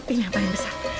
ini yang paling besar